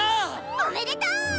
おめでとー！